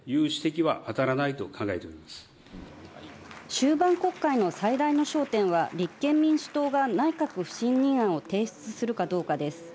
終盤国会の最大の焦点は、立憲民主党が内閣不信任案を提出するかどうかです。